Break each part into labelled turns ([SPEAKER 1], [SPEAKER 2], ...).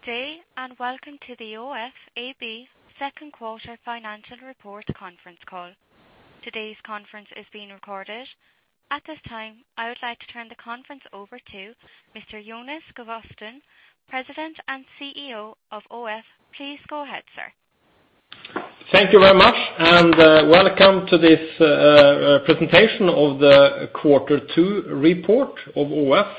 [SPEAKER 1] Good day, and welcome to the ÅF AB second quarter financial report conference call. Today's conference is being recorded. At this time, I would like to turn the conference over to Mr. Jonas Gustavsson, President and CEO of ÅF. Please go ahead, sir.
[SPEAKER 2] Thank you very much. Welcome to this presentation of the quarter two report of ÅF.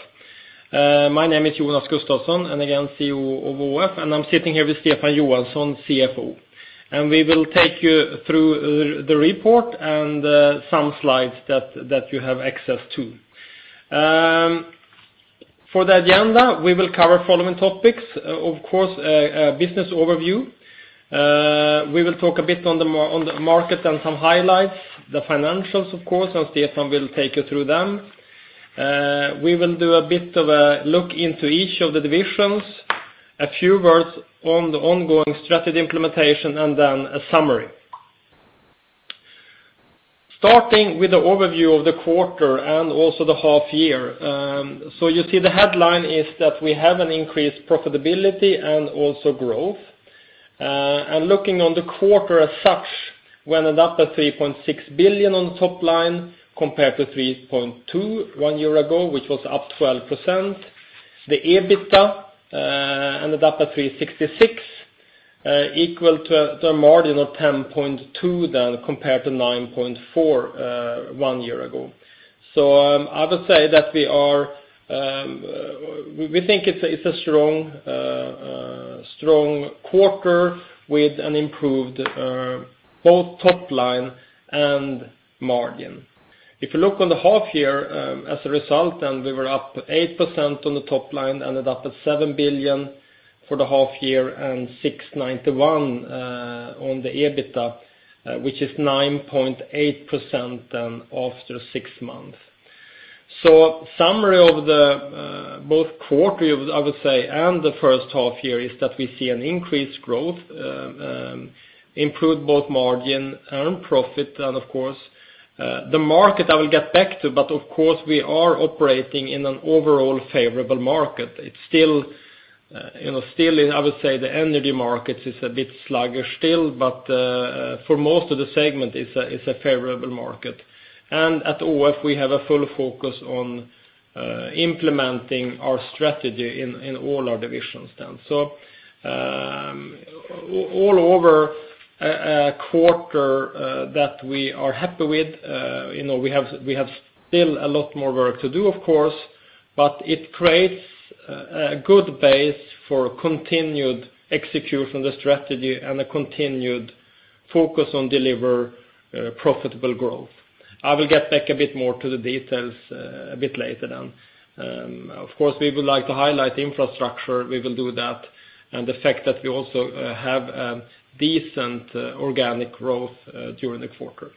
[SPEAKER 2] My name is Jonas Gustavsson, and again, CEO of ÅF, and I am sitting here with Stefan Johansson, CFO. We will take you through the report and some slides that you have access to. For the agenda, we will cover the following topics, of course, a business overview. We will talk a bit on the market and some highlights, the financials, of course, and Stefan will take you through them. We will do a bit of a look into each of the divisions, a few words on the ongoing strategy implementation, and a summary. Starting with the overview of the quarter and also the half-year. You see the headline is that we have an increased profitability and also growth. Looking on the quarter as such, we ended up at 3.6 billion on the top line compared to 3.2 billion one year ago, which was up 12%. The EBITDA ended up at 366 million, equal to a margin of 10.2%, compared to 9.4%, one year ago. I would say that we think it is a strong quarter with an improved both top line and margin. If you look on the half-year as a result, we were up 8% on the top line, ended up at 7 billion for the half-year and 691 million on the EBITDA, which is 9.8% after six months. Summary of the both quarter, I would say, and the first half-year is that we see an increased growth, improved both margin and profit, and, of course, the market I will get back to, but of course we are operating in an overall favorable market. I would say the energy markets is a bit sluggish still, but for most of the segment, it is a favorable market. At AF, we have a full focus on implementing our strategy in all our divisions. All over a quarter that we are happy with. We have still a lot more work to do of course, but it creates a good base for continued execution of the strategy and a continued focus on deliver profitable growth. I will get back a bit more to the details a bit later. We would like to highlight infrastructure. We will do that, and the fact that we also have decent organic growth during the quarter.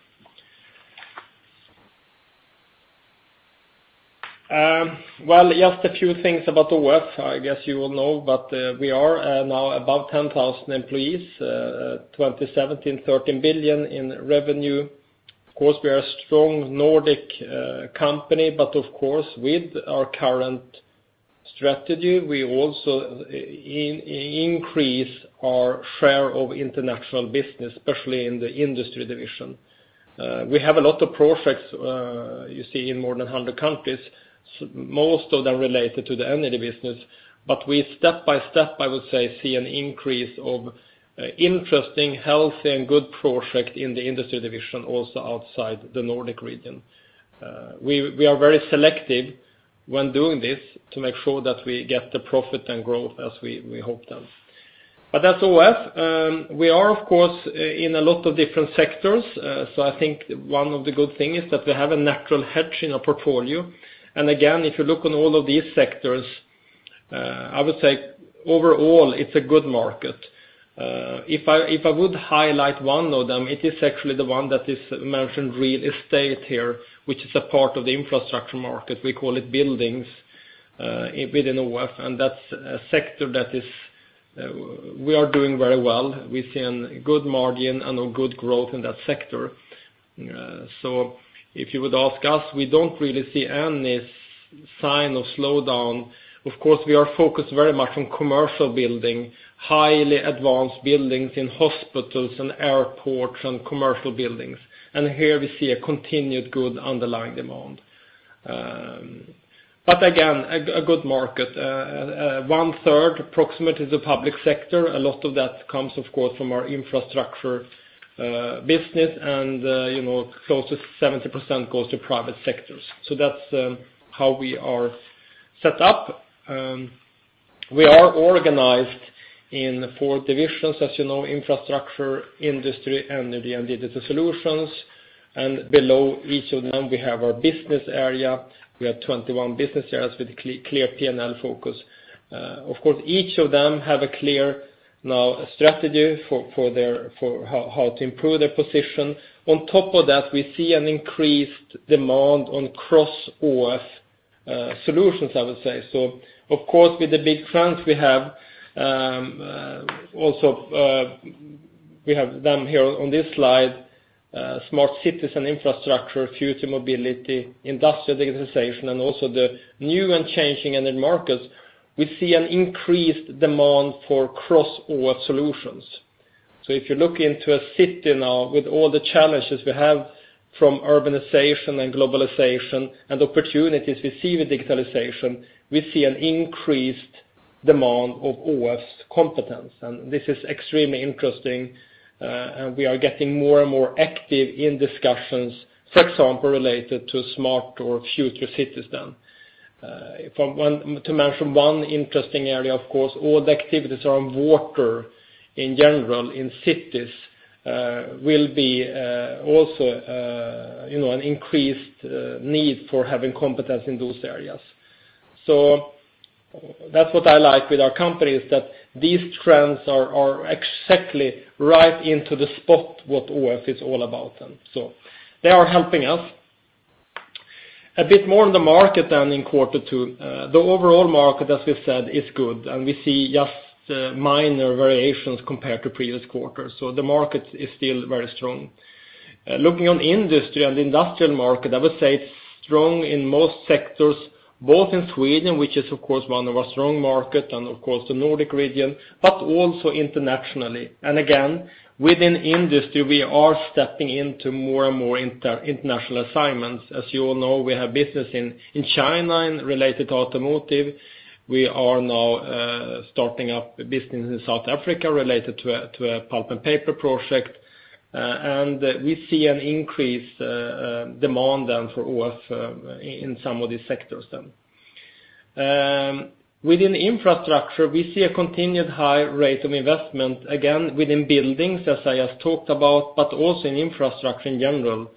[SPEAKER 2] Just a few things about ÅF. I guess you will know, but we are now above 10,000 employees, 2017, 13 billion in revenue. Of course, we are a strong Nordic company, but of course, with our current strategy, we also increase our share of international business, especially in the industry division. We have a lot of projects you see in more than 100 countries, most of them related to the energy business, but we step by step, I would say, see an increase of interesting, healthy, and good project in the industry division also outside the Nordic region. We are very selective when doing this to make sure that we get the profit and growth as we hope then. As ÅF, we are of course in a lot of different sectors. I think one of the good things is that we have a natural hedge in our portfolio. Again, if you look on all of these sectors, I would say overall it's a good market. If I would highlight one of them, it is actually the one that is mentioned real estate here, which is a part of the infrastructure market. We call it buildings within ÅF, and that's a sector that we are doing very well. We're seeing good margin and a good growth in that sector. If you would ask us, we don't really see any sign of slowdown. Of course, we are focused very much on commercial building, highly advanced buildings in hospitals and airports and commercial buildings. Here we see a continued good underlying demand. Again, a good market. One third approximate is the public sector. A lot of that comes, of course, from our infrastructure business, closest to 70% goes to private sectors. That's how we are set up. We are organized in four divisions as you know, infrastructure, industry, energy, and digital solutions, and below each of them, we have our business area. We have 21 business areas with clear P&L focus. Of course, each of them have a clear now strategy for how to improve their position. On top of that, we see an increased demand on cross-ÅF solutions, I would say. Of course, with the big trends we have, we also have them here on this slide, smart cities and infrastructure, future mobility, industrial digitalization, and also the new and changing end markets, we see an increased demand for cross-ÅF solutions. If you look into a city now with all the challenges we have from urbanization and globalization and opportunities we see with digitalization, we see an increased demand of ÅF's competence. This is extremely interesting. We are getting more and more active in discussions, for example, related to smart or future cities then. To mention one interesting area, of course, all the activities around water in general in cities will be also an increased need for having competence in those areas. That's what I like with our company is that these trends are exactly right into the spot what ÅF is all about. They are helping us. A bit more on the market then in Q2. The overall market, as we said, is good, we see just minor variations compared to previous quarters. The market is still very strong. Looking on industry and the industrial market, I would say it's strong in most sectors, both in Sweden, which is of course one of our strong markets, and of course the Nordic region, but also internationally. Again, within industry, we are stepping into more and more international assignments. As you all know, we have business in China related to automotive. We are now starting up business in South Africa related to a pulp and paper project. We see an increased demand for ÅF in some of these sectors then. Within infrastructure, we see a continued high rate of investment, again, within buildings, as I just talked about, but also in infrastructure in general.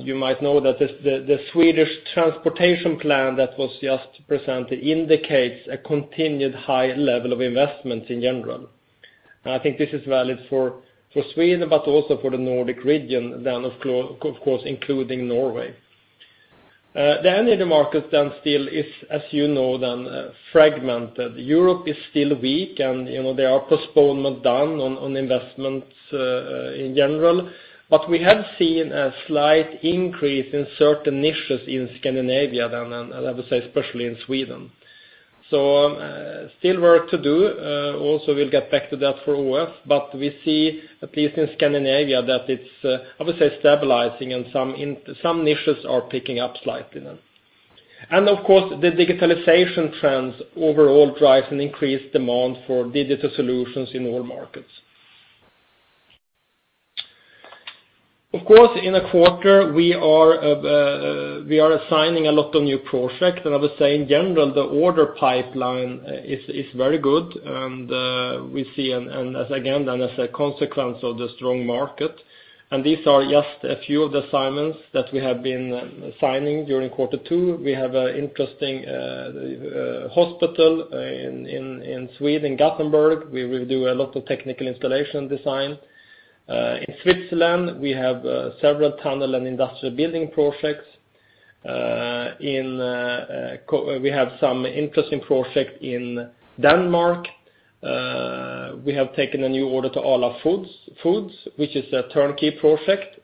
[SPEAKER 2] You might know that the Swedish National Transport Plan that was just presented indicates a continued high level of investment in general. I think this is valid for Sweden, but also for the Nordic region then, of course, including Norway. The energy market then still is, as you know then, fragmented. Europe is still weak, and there are postponement done on investments in general. We have seen a slight increase in certain niches in Scandinavia than, and I would say especially in Sweden. Still work to do. Also, we'll get back to that for ÅF, but we see at least in Scandinavia that it's, I would say, stabilizing and some niches are picking up slightly then. Of course, the digitalization trends overall drive an increased demand for digital solutions in all markets. Of course, in a quarter, we are assigning a lot of new projects, and I would say in general, the order pipeline is very good, and we see as, again, as a consequence of the strong market. These are just a few of the assignments that we have been signing during quarter two. We have an interesting hospital in Sweden, Gothenburg. We will do a lot of technical installation design. In Switzerland, we have several tunnel and industrial building projects. We have some interesting project in Denmark. We have taken a new order to Arla Foods, which is a turnkey project.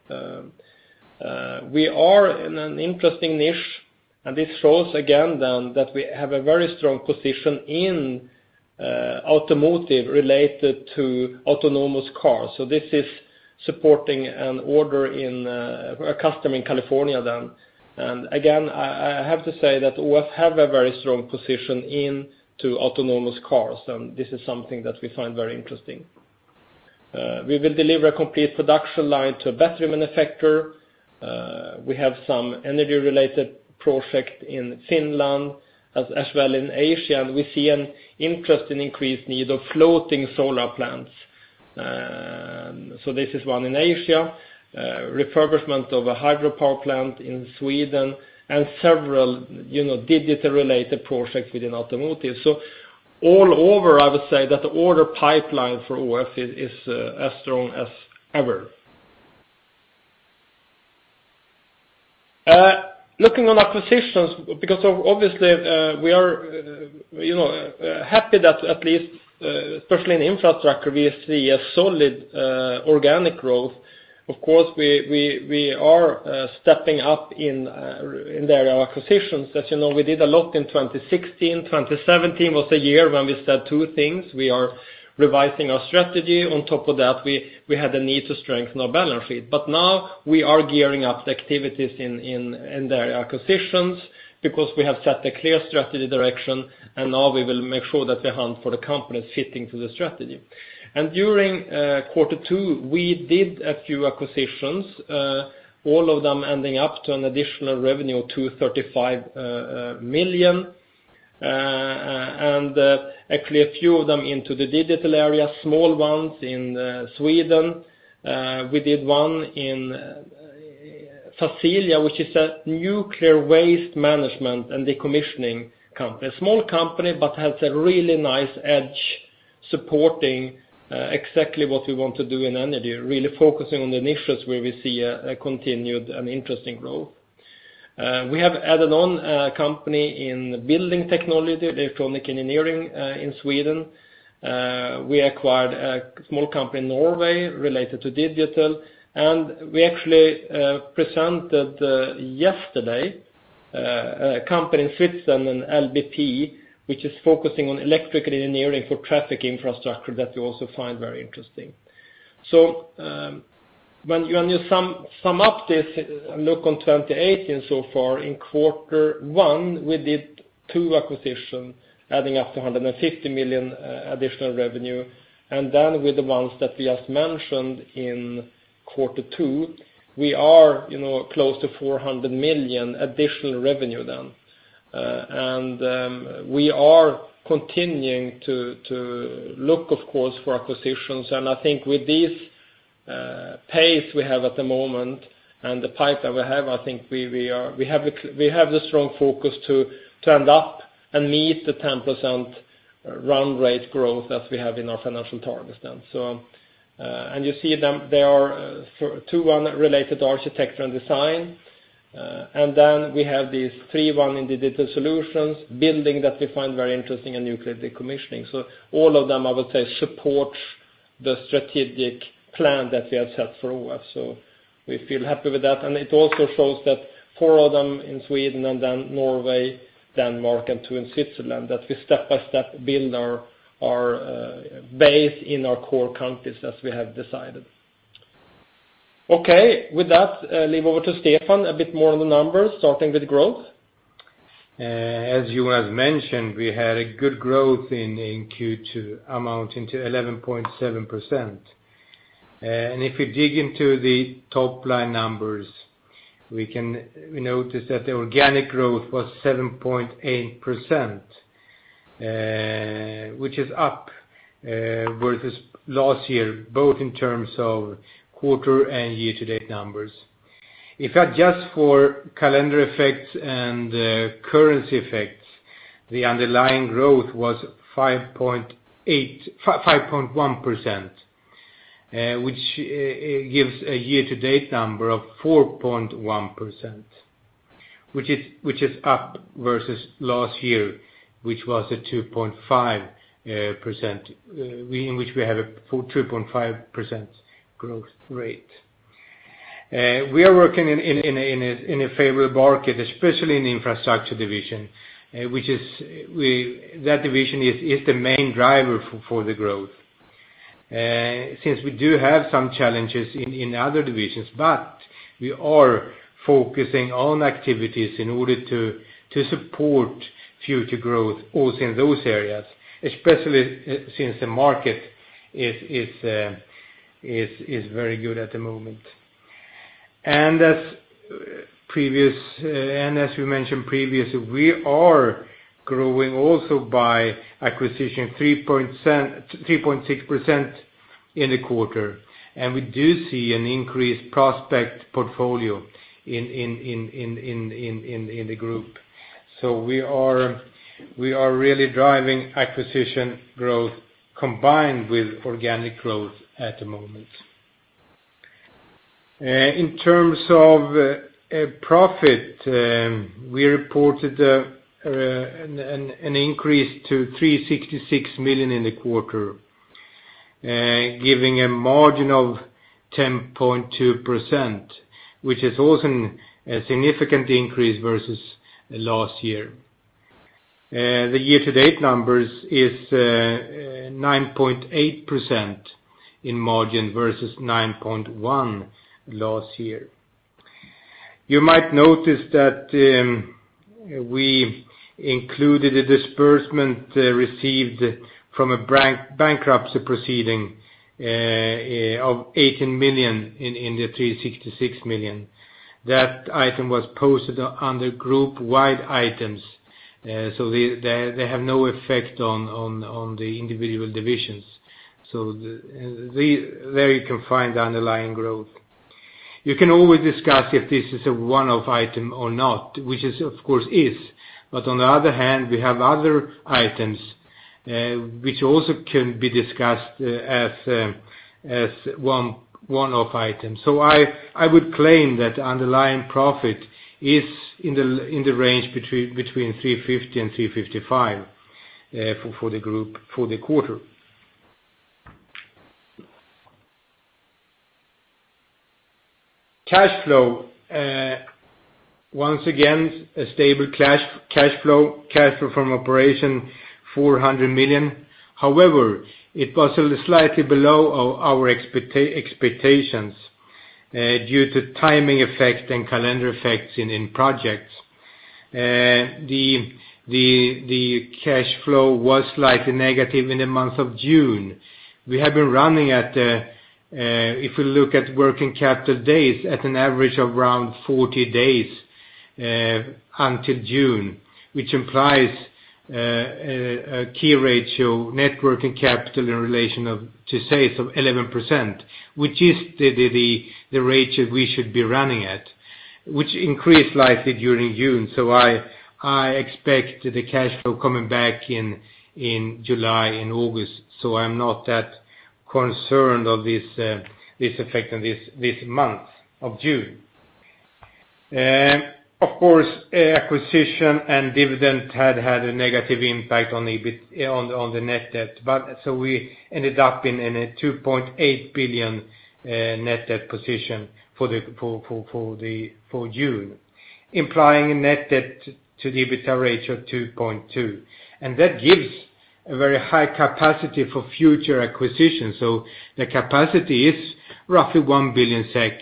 [SPEAKER 2] We are in an interesting niche, and this shows again then that we have a very strong position in automotive related to autonomous cars. This is supporting a customer in California then. Again, I have to say that ÅF have a very strong position into autonomous cars, and this is something that we find very interesting. We will deliver a complete production line to a battery manufacturer. We have some energy-related project in Finland as well in Asia, and we see an interest in increased need of floating solar plants. This is one in Asia, refurbishment of a hydropower plant in Sweden, and several digital-related projects within automotive. All over, I would say that the order pipeline for ÅF is as strong as ever. Looking on acquisitions, because obviously we are happy that at least, especially in infrastructure, we see a solid organic growth. Of course, we are stepping up in the acquisitions. As you know, we did a lot in 2016. 2017 was the year when we said two things. We are revising our strategy. On top of that, we had the need to strengthen our balance sheet. Now we are gearing up the activities in the acquisitions because we have set a clear strategy direction, now we will make sure that the hunt for the company is fitting to the strategy. During quarter two, we did a few acquisitions, all of them ending up to an additional revenue of 235 million, actually a few of them into the digital area, small ones in Sweden. We did one in Facilia, which is a nuclear waste management and decommissioning company. A small company, but has a really nice edge supporting exactly what we want to do in energy, really focusing on the niches where we see a continued and interesting growth. We have added on a company in building technology, electronic engineering in Sweden. We acquired a small company in Norway related to digital. We actually presented yesterday, a company in Switzerland, LBP, which is focusing on electric engineering for traffic infrastructure that we also find very interesting. When you sum up this look on 2018 so far, in quarter one, we did two acquisitions, adding up to 150 million additional revenue. Then with the ones that we just mentioned in quarter two, we are close to 400 million additional revenue then. We are continuing to look, of course, for acquisitions. I think with this pace we have at the moment and the pipe that we have, I think we have the strong focus to end up and meet the 10% run rate growth that we have in our financial targets now. You see there are two unrelated to architecture and design. Then we have these three one in digital solutions, building that we find very interesting and nuclear decommissioning. All of them, I would say, support the strategic plan that we have set for us. We feel happy with that. It also shows that four of them in Sweden and then Norway, Denmark and two in Switzerland, that we step by step build our base in our core countries as we have decided. Okay, with that, leave over to Stefan. A bit more on the numbers, starting with growth.
[SPEAKER 3] As Jonas has mentioned, we had a good growth in Q2 amounting to 11.7%. If we dig into the top-line numbers, we notice that the organic growth was 7.8%, which is up versus last year, both in terms of quarter and year-to-date numbers. If adjust for calendar effects and currency effects, the underlying growth was 5.1%, which gives a year-to-date number of 4.1%, which is up versus last year, which was at 2.5%, in which we have a 2.5% growth rate. We are working in a favorable market, especially in the infrastructure division. That division is the main driver for the growth. Since we do have some challenges in other divisions, we are focusing on activities in order to support future growth also in those areas, especially since the market is very good at the moment. As we mentioned previous, we are growing also by acquisition 3.6% in the quarter, and we do see an increased prospect portfolio in the group. We are really driving acquisition growth combined with organic growth at the moment. In terms of profit, we reported an increase to 366 million in the quarter, giving a margin of 10.2%, which is also a significant increase versus last year. The year-to-date numbers is 9.8% in margin versus 9.1% last year. You might notice that we included a disbursement received from a bankruptcy proceeding of 18 million in the 366 million. That item was posted under group-wide items. They have no effect on the individual divisions. There you can find the underlying growth. You can always discuss if this is a one-off item or not, which it of course is. On the other hand, we have other items which also can be discussed as one-off item. I would claim that underlying profit is in the range between 350 million and 355 million for the group for the quarter. Cash flow. Once again, a stable cash flow. Cash flow from operation 400 million. However, it was slightly below our expectations due to timing effect and calendar effects in projects. The cash flow was slightly negative in the month of June. We have been running at, if we look at working capital days, at an average of around 40 days until June, which implies a key ratio net working capital in relation to sales of 11%, which is the rate that we should be running at, which increased slightly during June. I expect the cash flow coming back in July and August. Concerned of this effect in this month of June. Of course, acquisition and dividend had a negative impact on the net debt. We ended up in a 2.8 billion net debt position for June, implying a net debt to EBITDA ratio of 2.2. That gives a very high capacity for future acquisitions. The capacity is roughly 1 billion SEK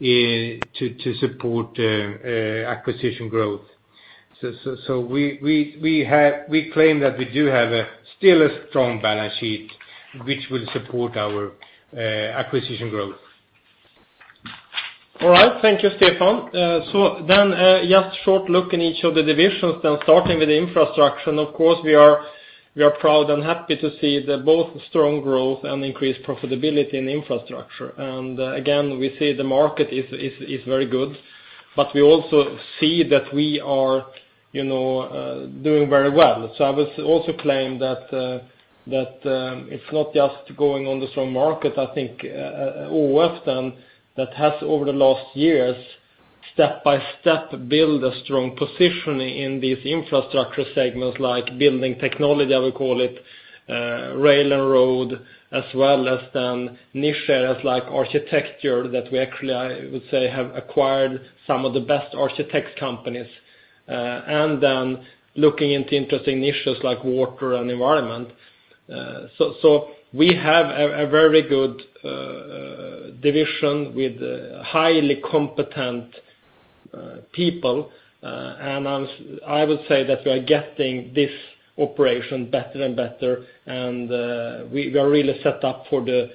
[SPEAKER 3] to support acquisition growth. We claim that we do have still a strong balance sheet, which will support our acquisition growth. All right.
[SPEAKER 2] Thank you, Stefan. Just short look in each of the divisions then starting with the infrastructure. Of course, we are proud and happy to see both strong growth and increased profitability in infrastructure. Again, we see the market is very good, but we also see that we are doing very well. I would also claim that it's not just going on the strong market, I think, ÅF then that has over the last years, step by step, build a strong position in these infrastructure segments like building technology, I would call it, rail and road, as well as then niches like architecture that we actually, I would say, have acquired some of the best architects companies, and then looking into interesting niches like water and environment. We have a very good division with highly competent people. I would say that we are getting this operation better and better, and we are really set up for the,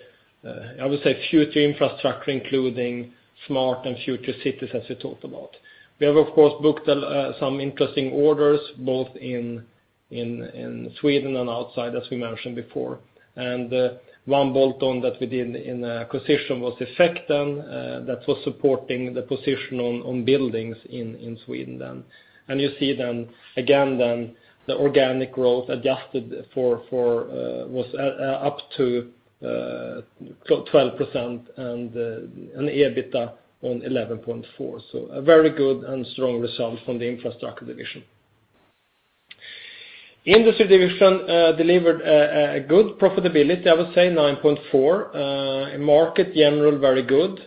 [SPEAKER 2] I would say, future infrastructure, including smart and future cities, as we talked about. We have, of course, booked some interesting orders both in Sweden and outside, as we mentioned before. One bolt-on that we did in acquisition was Effekten, that was supporting the position on buildings in Sweden then. You see then again, the organic growth adjusted was up to 12% and an EBITDA of 11.4%. A very good and strong result from the infrastructure division. Industry division delivered a good profitability, I would say 9.4%, market generally very good.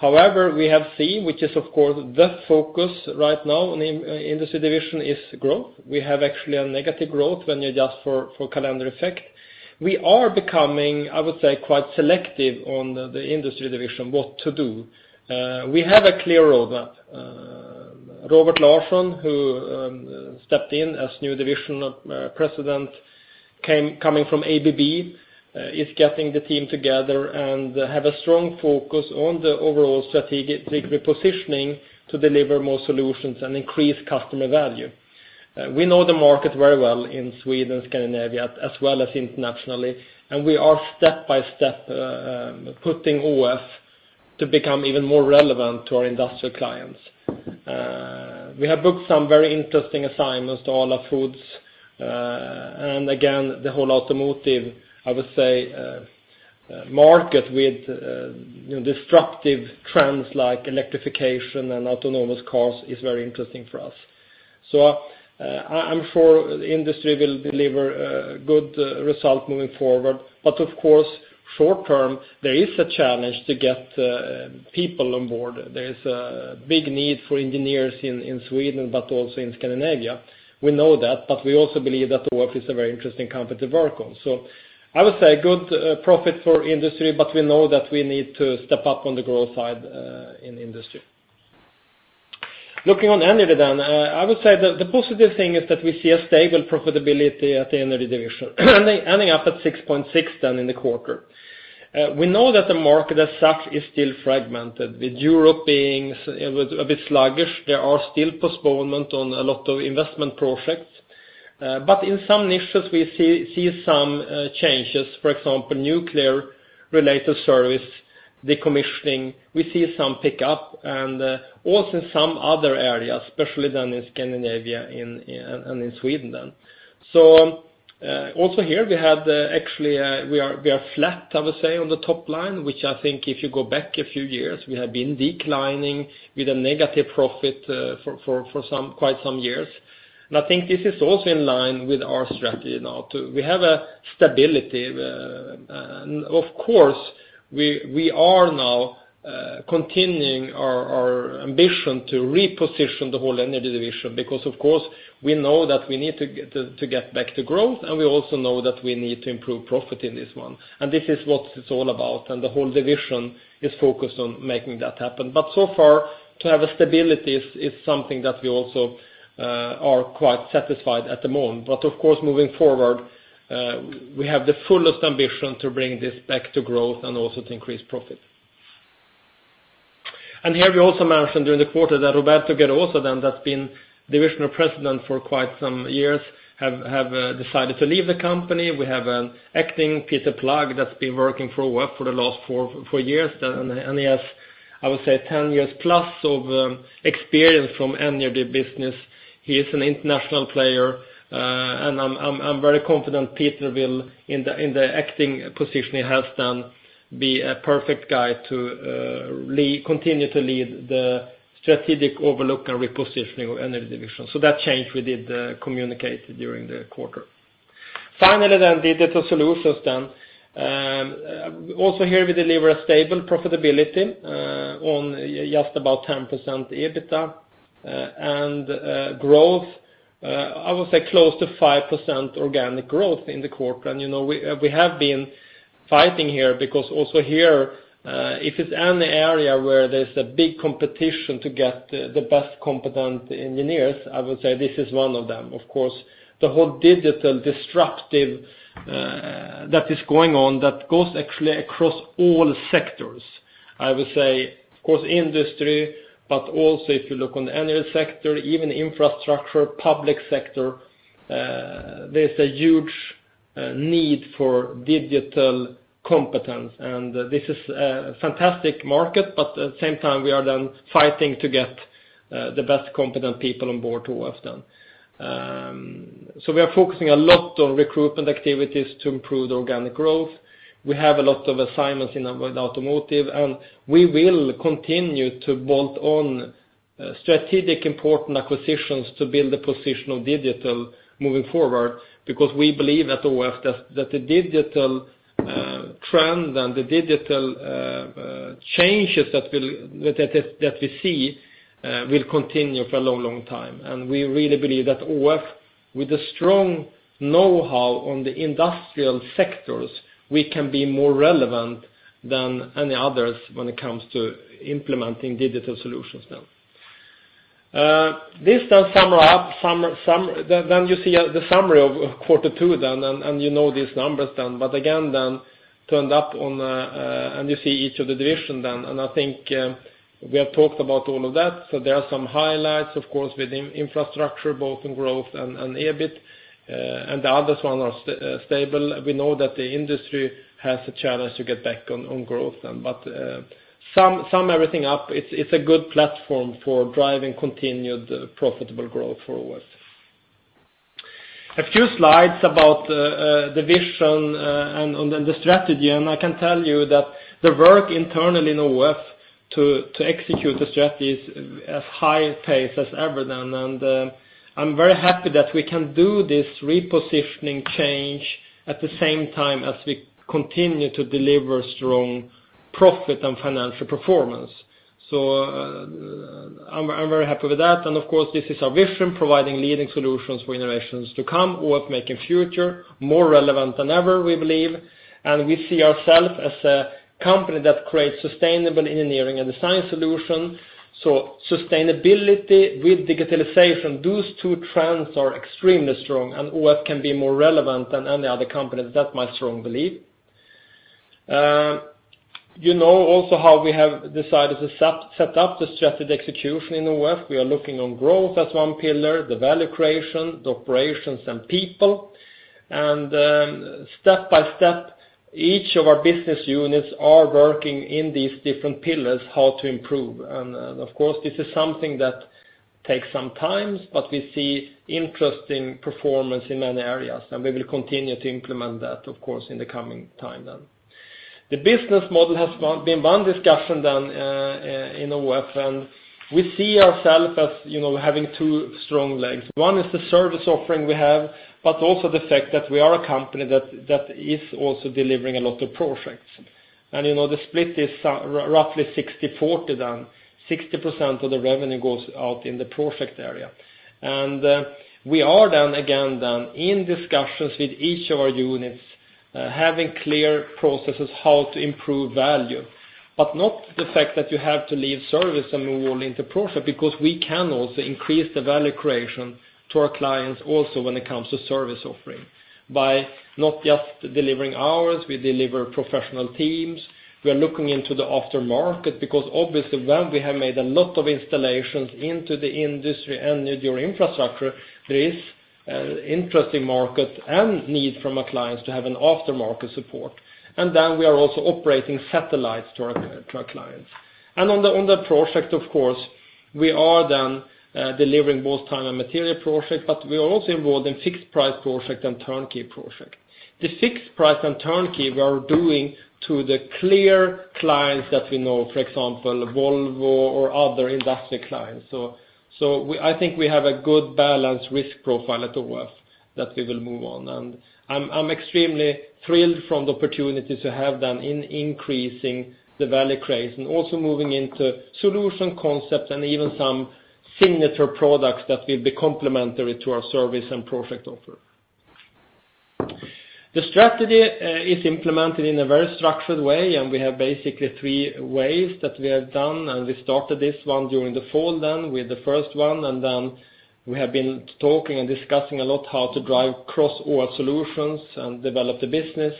[SPEAKER 2] However, we have seen, which is of course, the focus right now on the industry division is growth. We have actually a negative growth when you adjust for calendar effect. We are becoming, I would say, quite selective on the industry division, what to do. We have a clear roadmap. Robert Larsson, who stepped in as new division president coming from ABB, is getting the team together and have a strong focus on the overall strategic repositioning to deliver more solutions and increase customer value. We know the market very well in Sweden, Scandinavia, as well as internationally, we are step by step putting ÅF to become even more relevant to our industrial clients. We have booked some very interesting assignments to Arla Foods. Again, the whole automotive, I would say, market with disruptive trends like electrification and autonomous cars is very interesting for us. I'm sure the industry will deliver a good result moving forward. Of course, short term, there is a challenge to get people on board. There is a big need for engineers in Sweden, but also in Scandinavia. We know that, but we also believe that ÅF is a very interesting company to work on. I would say a good profit for industry, but we know that we need to step up on the growth side in industry. Looking on energy, I would say the positive thing is that we see a stable profitability at the energy division, ending up at 6.6% in the quarter. We know that the market as such is still fragmented, with Europe being a bit sluggish. There are still postponement on a lot of investment projects. In some niches, we see some changes, for example, nuclear-related service decommissioning. We see some pickup, and also in some other areas, especially down in Scandinavia and in Sweden then. Also here, we are flat, I would say, on the top line, which I think if you go back a few years, we have been declining with a negative profit for quite some years. I think this is also in line with our strategy now, too. We have a stability. Of course, we are now continuing our ambition to reposition the whole energy division because, of course, we know that we need to get back to growth, and we also know that we need to improve profit in this one. This is what it's all about, and the whole division is focused on making that happen. So far, to have a stability is something that we also are quite satisfied at the moment. Of course, moving forward, we have the fullest ambition to bring this back to growth and also to increase profit. Here we also mentioned during the quarter that Roberto Gerosa that's been divisional president for quite some years, has decided to leave the company. We have an acting, Peter Plug, that's been working for ÅF for the last four years now, and he has, I would say, 10 years plus of experience from energy business. He is an international player, and I'm very confident Peter will, in the acting position he has done, be a perfect guy to continue to lead the strategic overlook and repositioning of energy division. That change we did communicate during the quarter. Finally, digital solutions. Here we deliver a stable profitability on just about 10% EBITDA and growth, I would say close to 5% organic growth in the quarter. We have been fighting here because also here, if it's any area where there's a big competition to get the best competent engineers, I would say this is one of them. The whole digital disruptive that is going on that goes actually across all sectors. I would say, industry, but also if you look on the energy sector, even infrastructure, public sector, there's a huge need for digital competence, and this is a fantastic market, but at the same time, we are fighting to get the best competent people on board to ÅF. We are focusing a lot on recruitment activities to improve the organic growth. We have a lot of assignments in automotive, and we will continue to bolt on strategic important acquisitions to build the position of digital moving forward, because we believe at ÅF that the digital trend and the digital changes that we see will continue for a long time. We really believe that ÅF, with the strong know-how on the industrial sectors, we can be more relevant than any others when it comes to implementing digital solutions. This you see the summary of Q2, and you know these numbers, but again, turned up and you see each of the division, and I think we have talked about all of that. There are some highlights, of course, with infrastructure, both in growth and EBIT, and the other ones are stable. We know that the industry has a challenge to get back on growth. Sum everything up, it's a good platform for driving continued profitable growth for ÅF. A few slides about the vision and the strategy, and I can tell you that the work internally in ÅF to execute the strategy is as high a pace as ever. I'm very happy that we can do this repositioning change at the same time as we continue to deliver strong profit and financial performance. I'm very happy with that. Of course, this is our vision, providing leading solutions for generations to come, ÅF making future more relevant than ever, we believe. We see ourself as a company that creates sustainable engineering and design solution. Sustainability with digitalization, those two trends are extremely strong, and ÅF can be more relevant than any other company. That's my strong belief. You know also how we have decided to set up the strategic execution in ÅF. We are looking on growth as one pillar, the value creation, the operations, and people. Step by step, each of our business units are working in these different pillars how to improve. Of course, this is something that takes some time, but we see interesting performance in many areas, and we will continue to implement that, of course, in the coming time then. The business model has been one discussion then in ÅF, and we see ourself as having two strong legs. One is the service offering we have, but also the fact that we are a company that is also delivering a lot of projects. The split is roughly 60/40, then 60% of the revenue goes out in the project area. We are then again in discussions with each of our units, having clear processes how to improve value, but not the fact that you have to leave service and move all into project, because we can also increase the value creation to our clients also when it comes to service offering by not just delivering hours, we deliver professional teams. We are looking into the aftermarket because obviously when we have made a lot of installations into the industry and your infrastructure, there is interesting market and need from our clients to have an aftermarket support. Then we are also operating satellites to our clients. On the project, of course, we are then delivering both time and material project, but we are also involved in fixed price project and turnkey project. The fixed price and turnkey we are doing to the clear clients that we know, for example, Volvo or other industrial clients. I think we have a good balanced risk profile at ÅF that we will move on. I'm extremely thrilled from the opportunity to have them in increasing the value creation, also moving into solution concept and even some signature products that will be complementary to our service and project offer. The strategy is implemented in a very structured way, and we have basically three ways that we have done, and we started this one during the fall then with the first one, then we have been talking and discussing a lot how to drive cross ÅF solutions and develop the business.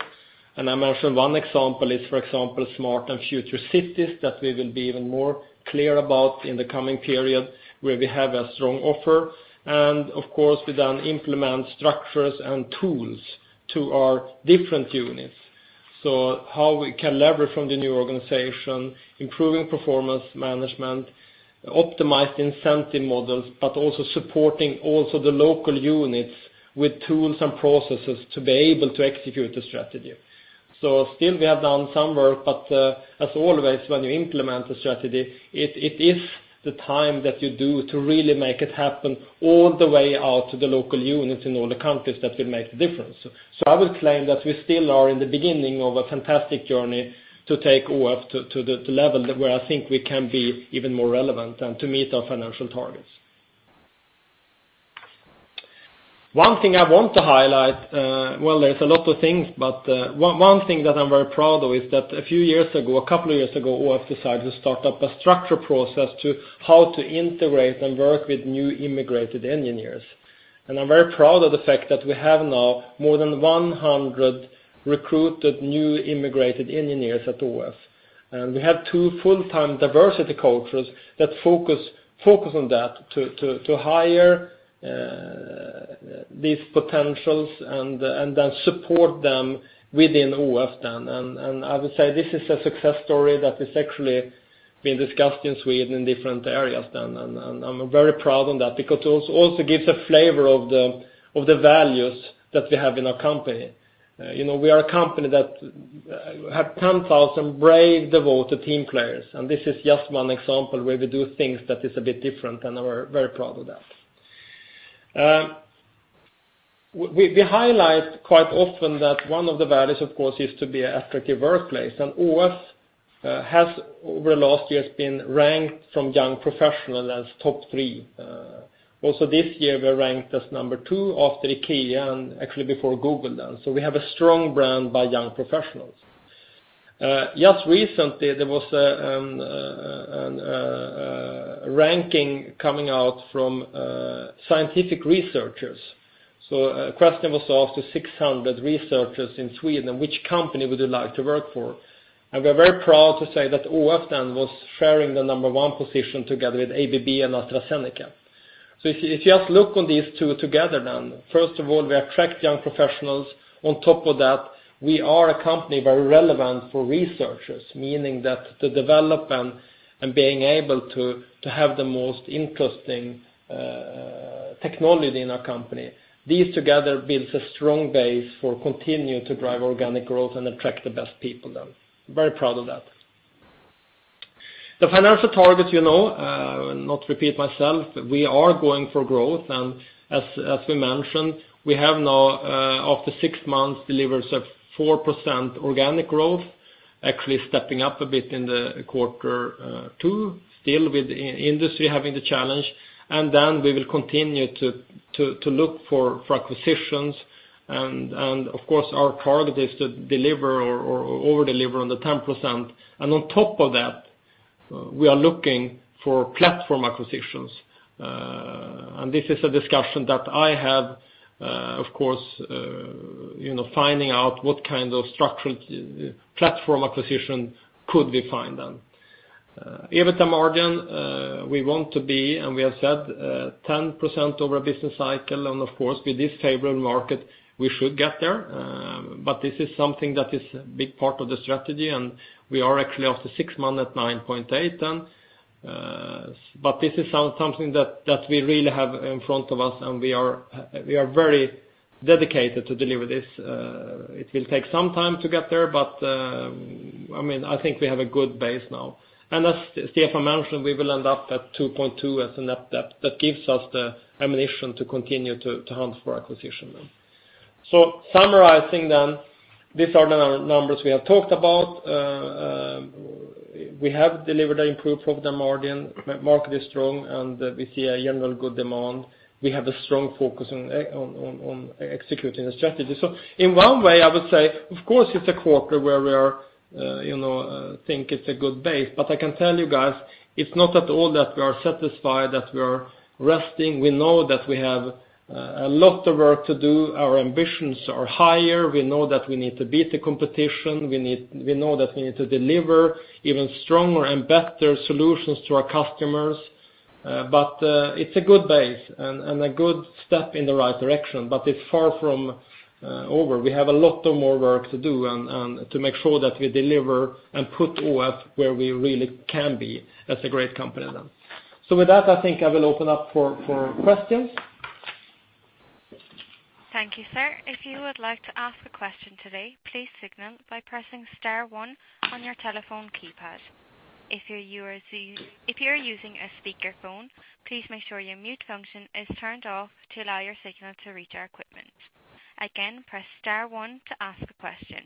[SPEAKER 2] I mentioned one example is, for example, smart and future cities that we will be even more clear about in the coming period where we have a strong offer. Of course, we then implement structures and tools to our different units how we can leverage from the new organization, improving performance management, optimize incentive models, but also supporting also the local units with tools and processes to be able to execute the strategy. Still we have done some work, but as always, when you implement a strategy, it is the time that you do to really make it happen all the way out to the local units in all the countries that will make the difference. I will claim that we still are in the beginning of a fantastic journey to take ÅF to the level where I think we can be even more relevant and to meet our financial targets. One thing I want to highlight, well, there's a lot of things, but one thing that I'm very proud of is that a few years ago, a couple of years ago, ÅF decided to start up a structure process to how to integrate and work with new immigrated engineers. I'm very proud of the fact that we have now more than 100 recruited new immigrated engineers at ÅF. We have two full-time diversity coaches that focus on that to hire these potentials and then support them within ÅF then. I would say this is a success story that has actually been discussed in Sweden in different areas then. I'm very proud on that because it also gives a flavor of the values that we have in our company. We are a company that have 10,000 brave, devoted team players, and this is just one example where we do things that is a bit different, and we're very proud of that. We highlight quite often that one of the values, of course, is to be an attractive workplace, and ÅF has, over the last years, been ranked from Young Professional as top 3. Also this year, we're ranked as number 2 after IKEA and actually before Google then. We have a strong brand by Young Professionals. Just recently, there was a ranking coming out from scientific researchers. A question was asked to 600 researchers in Sweden, which company would you like to work for? We are very proud to say that ÅF then was sharing the number 1 position together with ABB and AstraZeneca. If you just look on these two together then, First of all, we attract young professionals. On top of that, we are a company very relevant for researchers, meaning that the development and being able to have the most interesting technology in our company, these together builds a strong base for continue to drive organic growth and attract the best people then. Very proud of that. The financial targets you know, I will not repeat myself. We are going for growth, and as we mentioned, we have now after six months delivered a 4% organic growth, actually stepping up a bit in the Q2, still with the industry having the challenge. We will continue to look for acquisitions, and of course, our target is to deliver or over-deliver on the 10%. On top of that, we are looking for platform acquisitions. This is a discussion that I have of course, finding out what kind of structural platform acquisition could we find then. EBITDA margin, we want to be, and we have said, 10% over a business cycle, and of course, with this favorable market, we should get there. This is something that is a big part of the strategy, and we are actually after six months at 9.8% then. This is something that we really have in front of us, and we are very dedicated to deliver this. It will take some time to get there, but I think we have a good base now. As Stefan mentioned, we will end up at 2.2 as a net debt. That gives us the ammunition to continue to hunt for acquisition. Summarizing, these are the numbers we have talked about. We have delivered an improved profit margin, market is strong, and we see a general good demand. We have a strong focus on executing the strategy. In one way, I would say, of course, it's a quarter where we think it's a good base. I can tell you guys, it's not at all that we are satisfied, that we are resting. We know that we have a lot of work to do. Our ambitions are higher. We know that we need to beat the competition. We know that we need to deliver even stronger and better solutions to our customers. It's a good base and a good step in the right direction, but it's far from over. We have a lot of more work to do and to make sure that we deliver and put ÅF where we really can be as a great company. With that, I think I will open up for questions.
[SPEAKER 1] Thank you, sir. If you would like to ask a question today, please signal by pressing star one on your telephone keypad. If you are using a speakerphone, please make sure your mute function is turned off to allow your signal to reach our equipment. Again, press star one to ask a question.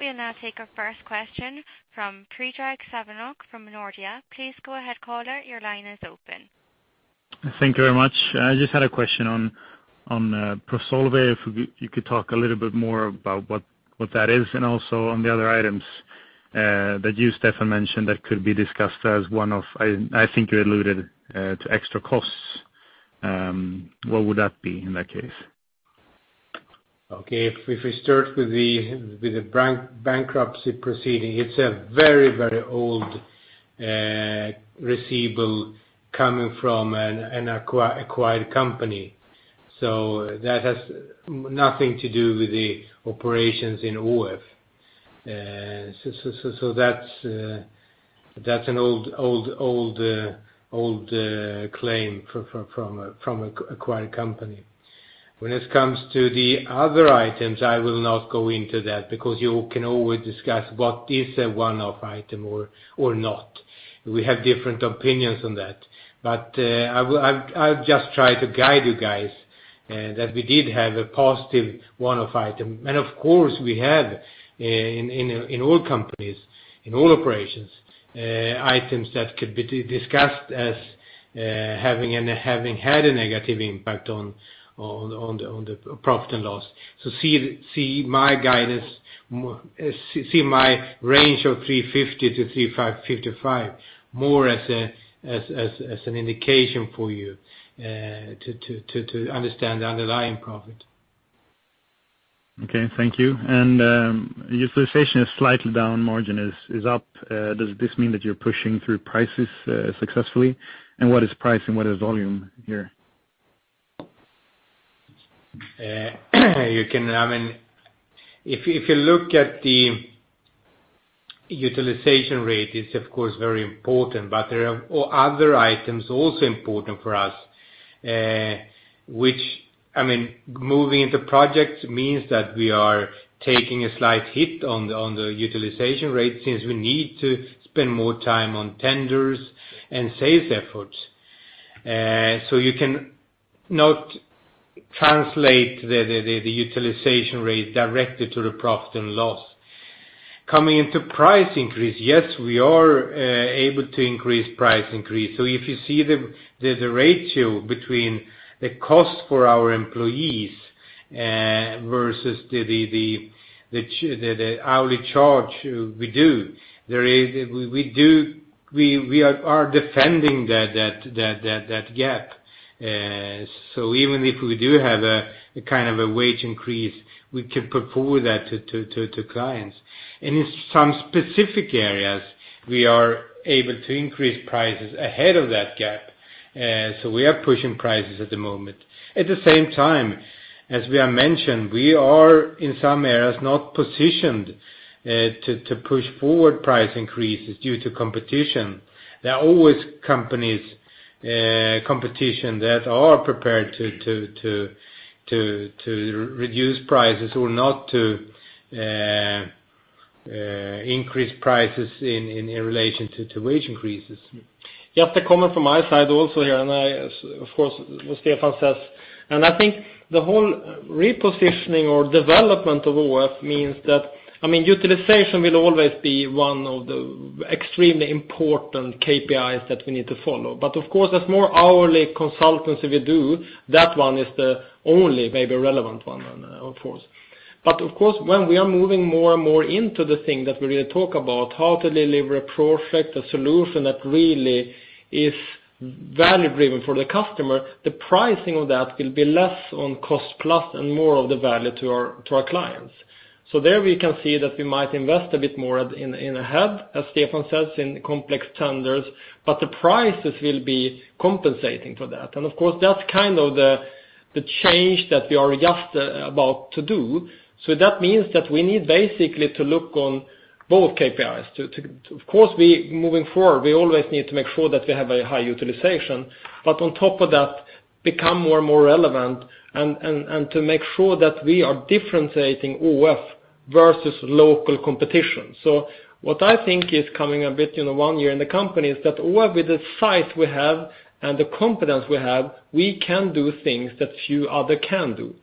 [SPEAKER 1] We will now take our first question from Predrag Savanovic from Nordea. Please go ahead, caller. Your line is open.
[SPEAKER 4] Thank you very much. I just had a question on pro solvendo; if you could talk a little bit more about what that is, and also on the other items that you, Stefan, mentioned that could be discussed as. I think you alluded to extra costs. What would that be in that case?
[SPEAKER 3] Okay. If we start with the bankruptcy proceeding, it is a very, very old receivable coming from an acquired company That has nothing to do with the operations in ÅF. That is an old claim from an acquired company. When it comes to the other items, I will not go into that because you can always discuss what is a one-off item or not. We have different opinions on that. I will just try to guide you guys that we did have a positive one-off item, and of course, we have, in all companies, in all operations, items that could be discussed as having had a negative impact on the profit and loss. See my range of 350-355 more as an indication for you to understand the underlying profit.
[SPEAKER 4] Okay. Thank you. Utilization is slightly down, margin is up. Does this mean that you are pushing through prices successfully? What is price and what is volume here?
[SPEAKER 3] If you look at the utilization rate, it is of course very important, but there are other items also important for us. Moving into projects means that we are taking a slight hit on the utilization rate since we need to spend more time on tenders and sales efforts. You can not translate the utilization rate directly to the profit and loss. Coming into price increase, yes, we are able to increase price increase. If you see the ratio between the cost for our employees versus the hourly charge we do, we are defending that gap. Even if we do have a kind of wage increase, we can put forward that to clients. In some specific areas, we are able to increase prices ahead of that gap. We are pushing prices at the moment. At the same time, as we have mentioned, we are in some areas not positioned to push forward price increases due to competition. There are always companies, competition that are prepared to reduce prices or not to increase prices in relation to wage increases.
[SPEAKER 2] Just a comment from my side also here, and of course, what Stefan says, and I think the whole repositioning or development of ÅF means that utilization will always be one of the extremely important KPIs that we need to follow. Of course, as more hourly consultancy we do, that one is the only maybe relevant one then, of course. When we are moving more and more into the thing that we really talk about, how to deliver a project, a solution that really is value-driven for the customer, the pricing of that will be less on cost plus and more of the value to our clients. There we can see that we might invest a bit more in ahead, as Stefan says, in complex tenders, but the prices will be compensating for that. Of course, that's kind of the change that we are just about to do. That means that we need basically to look on both KPIs. Of course, moving forward, we always need to make sure that we have a high utilization, but on top of that, become more and more relevant, and to make sure that we are differentiating ÅF versus local competition. What I think is coming a bit in the one year in the company is that ÅF with the size we have and the competence we have, we can do things that few others can do.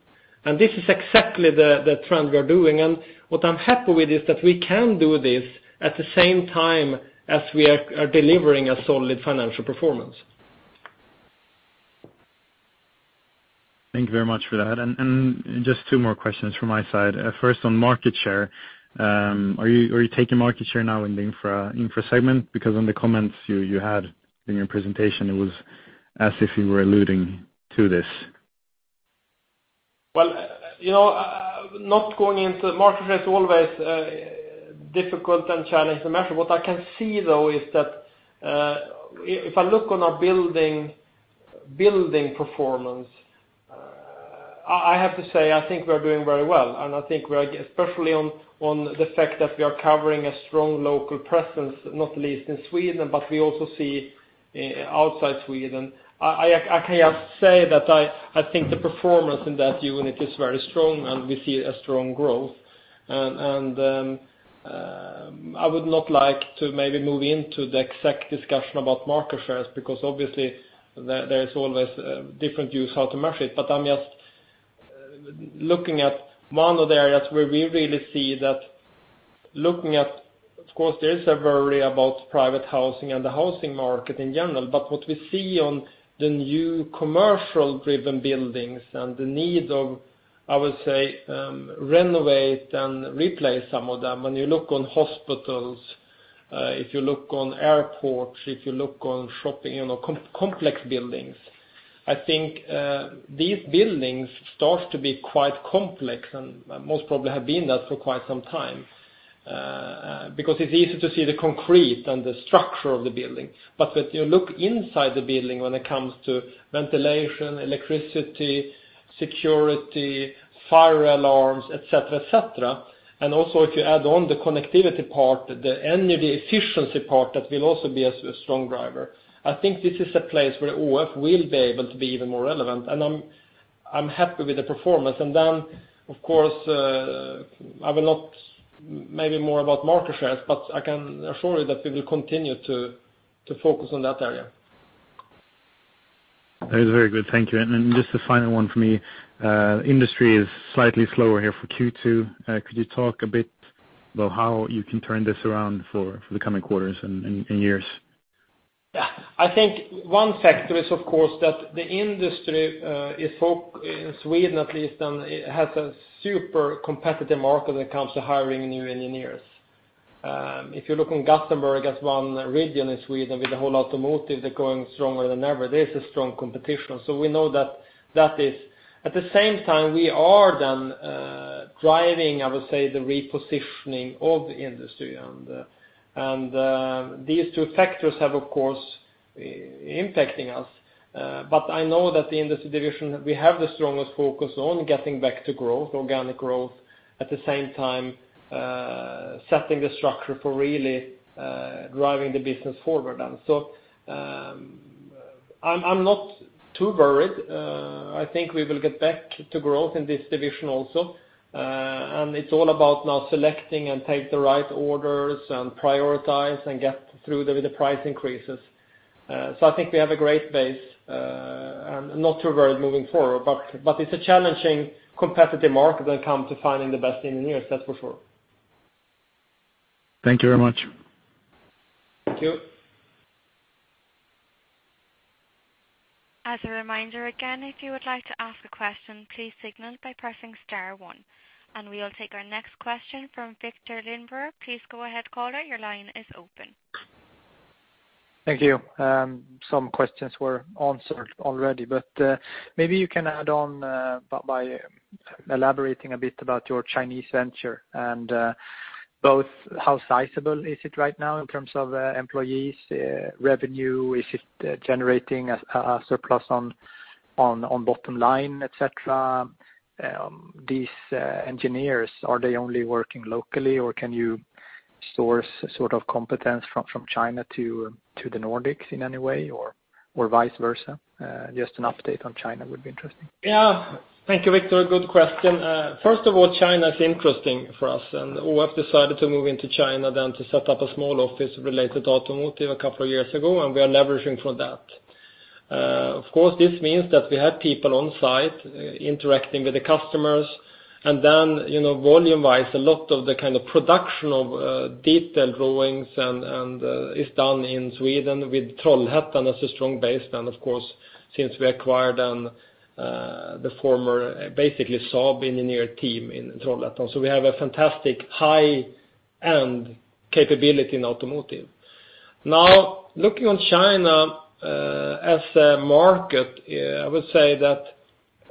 [SPEAKER 2] This is exactly the trend we are doing, and what I'm happy with is that we can do this at the same time as we are delivering a solid financial performance.
[SPEAKER 4] Thank you very much for that. Just two more questions from my side. First, on market share. Are you taking market share now in the infra segment? Because in the comments you had in your presentation, it was as if you were alluding to this.
[SPEAKER 2] Well, not going into market share, it's always a difficult and challenging measure. What I can see, though, is that if I look on our building performance, I have to say I think we're doing very well, and I think especially on the fact that we are covering a strong local presence, not least in Sweden, but we also see outside Sweden. I can just say that I think the performance in that unit is very strong, and we see a strong growth. I would not like to maybe move into the exact discussion about market shares, because obviously, there is always different views how to measure it. I'm just looking at one of the areas where we really see that looking at, of course, there is a worry about private housing and the housing market in general. What we see on the new commercial-driven buildings and the need of, I would say, renovate and replace some of them. When you look on hospitals, if you look on airports, if you look on shopping, complex buildings, I think these buildings start to be quite complex and most probably have been that for quite some time. It's easy to see the concrete and the structure of the building. When you look inside the building, when it comes to ventilation, electricity, security, fire alarms, et cetera. Also if you add on the connectivity part, the energy efficiency part, that will also be a strong driver. I think this is a place where ÅF will be able to be even more relevant, and I'm happy with the performance. Of course, I will not maybe more about market shares, but I can assure you that we will continue to focus on that area.
[SPEAKER 4] That is very good. Thank you. Just the final one for me, industry is slightly slower here for Q2. Could you talk a bit about how you can turn this around for the coming quarters and years?
[SPEAKER 2] I think one factor is, of course, that the industry in Sweden, at least, has a super competitive market when it comes to hiring new engineers. If you look in Gothenburg as one region in Sweden with the whole automotive, they're going stronger than ever. There is a strong competition. At the same time, we are then driving, I would say, the repositioning of the industry, and these two factors have, of course, impacting us. I know that the industry division, we have the strongest focus on getting back to growth, organic growth, at the same time, setting the structure for really driving the business forward then. I'm not too worried. I think we will get back to growth in this division also. It's all about now selecting and take the right orders and prioritize and get through with the price increases. I think we have a great base, and I'm not too worried moving forward, but it's a challenging competitive market when it comes to finding the best engineers, that's for sure.
[SPEAKER 4] Thank you very much.
[SPEAKER 2] Thank you.
[SPEAKER 1] As a reminder, again, if you would like to ask a question, please signal by pressing star one, and we will take our next question from Victor Lindberg. Please go ahead caller, your line is open.
[SPEAKER 5] Thank you. Some questions were answered already, maybe you can add on by elaborating a bit about your Chinese venture, both how sizable is it right now in terms of employees, revenue? Is it generating a surplus on bottom line, et cetera? These engineers, are they only working locally, or can you source competence from China to the Nordics in any way or vice versa? Just an update on China would be interesting.
[SPEAKER 2] Thank you, Victor. Good question. First of all, China is interesting for us, we have decided to move into China than to set up a small office related to automotive a couple of years ago, we are leveraging from that. Of course, this means that we have people on site interacting with the customers, volume-wise, a lot of the kind of production of detailed drawings and is done in Sweden with Trollhättan as a strong base. Of course, since we acquired the former basically Saab engineer team in Trollhättan. We have a fantastic high-end capability in automotive. Looking on China, as a market, I would say that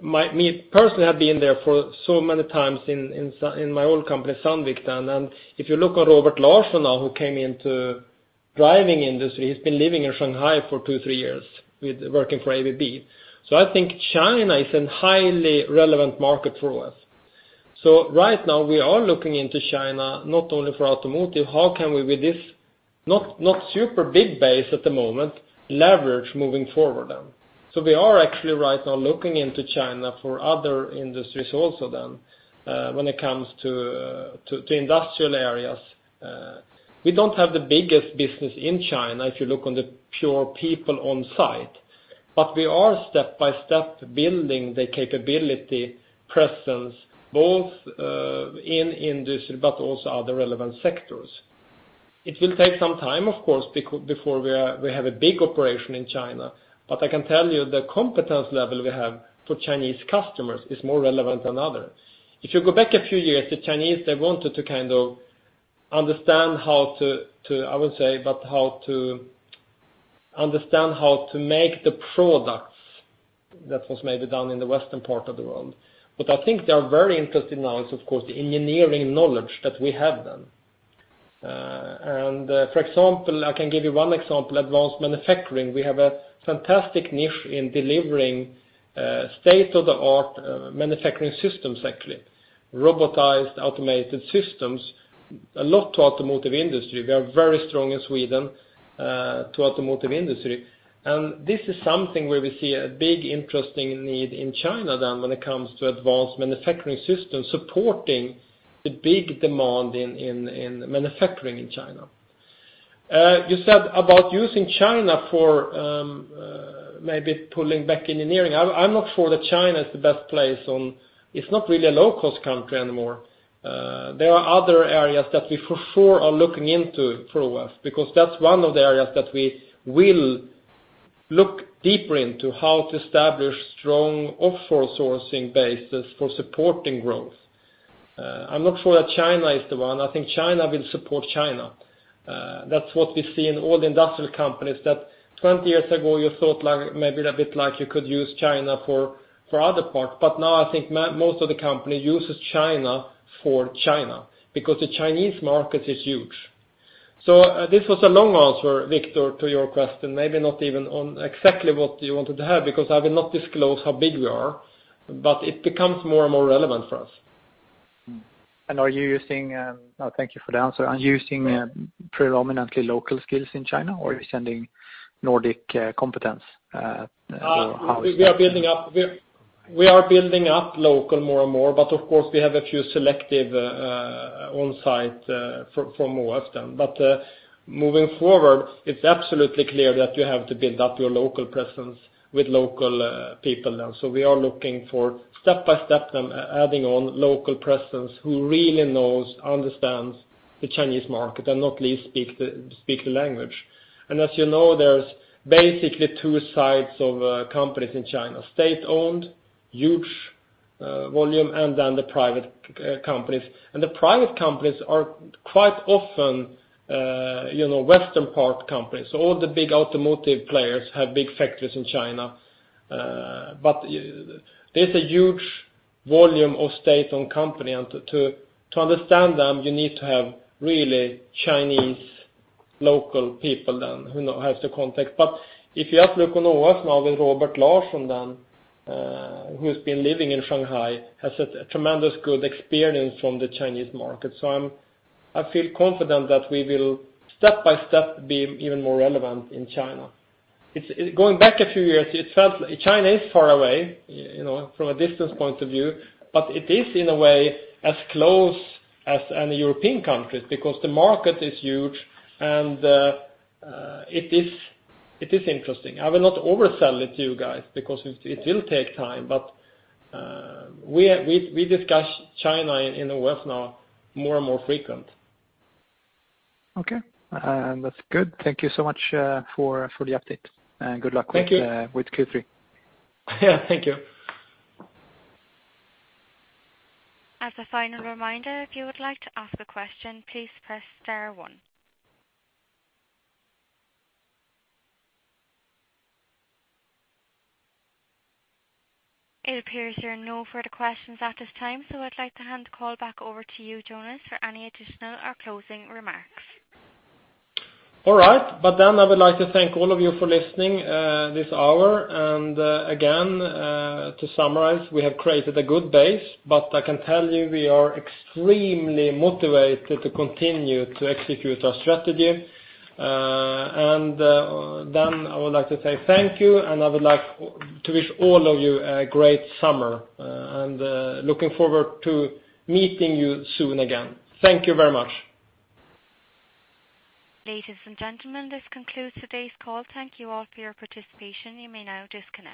[SPEAKER 2] me personally, I've been there for so many times in my old company, Sandvik. If you look at Robert Larsson now, who came into driving industry, he's been living in Shanghai for two, three years working for ABB. I think China is a highly relevant market for us. Right now we are looking into China not only for automotive. How can we with this not super big base at the moment leverage moving forward then? We are actually right now looking into China for other industries also then, when it comes to industrial areas. We don't have the biggest business in China if you look on the pure people on site. We are step by step building the capability presence both in industry, but also other relevant sectors. It will take some time, of course, before we have a big operation in China. I can tell you the competence level we have for Chinese customers is more relevant than others. If you go back a few years, the Chinese, they wanted to kind of understand how to make the products that was maybe done in the western part of the world. I think they are very interested now is, of course, the engineering knowledge that we have then. For example, I can give you one example, advanced manufacturing. We have a fantastic niche in delivering state-of-the-art manufacturing systems actually. Robotized, automated systems, a lot to automotive industry. We are very strong in Sweden to automotive industry, and this is something where we see a big interesting need in China then when it comes to advanced manufacturing systems supporting the big demand in manufacturing in China. You said about using China for maybe pulling back engineering. I'm not sure that China is the best place. It's not really a low-cost country anymore. There are other areas that we for sure are looking into for us, because that's one of the areas that we will look deeper into how to establish strong offshore sourcing bases for supporting growth. I'm not sure that China is the one. I think China will support China. That's what we see in all the industrial companies that 20 years ago you thought maybe a bit like you could use China for other parts. Now I think most of the company uses China for China because the Chinese market is huge. This was a long answer, Victor, to your question, maybe not even on exactly what you wanted to have, because I will not disclose how big we are, but it becomes more and relevant for us.
[SPEAKER 5] Thank you for the answer. Are you using predominantly local skills in China or are you sending Nordic competence?
[SPEAKER 2] We are building up local more and more, but of course, we have a few selective on-site for more of them. Moving forward, it's absolutely clear that you have to build up your local presence with local people now. We are looking for step-by-step, adding on local presence who really knows, understands the Chinese market, and not least speak the language. As you know, there's basically two sides of companies in China, state-owned, huge volume, and then the private companies. The private companies are quite often Western part companies. All the big automotive players have big factories in China. There's a huge volume of state-owned company, and to understand them, you need to have really Chinese local people then who now have the context. If you ask Wuhan now with Robert Larsson, who's been living in Shanghai, has a tremendous good experience from the Chinese market. I feel confident that we will step-by-step be even more relevant in China. Going back a few years, China is far away from a distance point of view, but it is in a way as close as any European countries because the market is huge, and it is interesting. I will not oversell it to you guys because it will take time, but we discuss China in the West now more and more frequent.
[SPEAKER 5] Okay. That's good. Thank you so much for the update.
[SPEAKER 2] Thank you.
[SPEAKER 5] Good luck with Q3.
[SPEAKER 2] Yeah, thank you.
[SPEAKER 1] As a final reminder, if you would like to ask a question, please press star one. It appears there are no further questions at this time, I'd like to hand the call back over to you, Jonas, for any additional or closing remarks.
[SPEAKER 2] All right. I would like to thank all of you for listening this hour. Again, to summarize, we have created a good base, but I can tell you we are extremely motivated to continue to execute our strategy. I would like to say thank you, and I would like to wish all of you a great summer, and looking forward to meeting you soon again. Thank you very much.
[SPEAKER 1] Ladies and gentlemen, this concludes today's call. Thank you all for your participation. You may now disconnect.